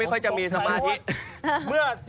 ไอ้คั่วมาแล้ว